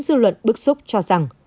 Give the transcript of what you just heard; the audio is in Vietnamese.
về ý kiến dư luận bức xúc cho rằng